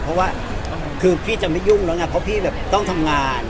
เพราะว่าพี่จะไม่ยุ่งแล้วนะครับเพราะพี่ต้องทำงาน